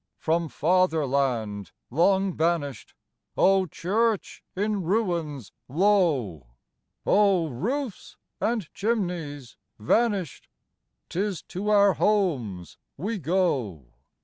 From Fatherland long banished (Oh, church in ruins low! Oh, roofs and chimneys vanished!) 'Tis to our homes we go!